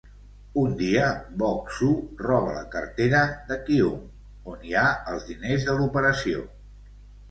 Un dia, Bok-su roba la cartera de Kyung, on hi ha els diners de l'operació.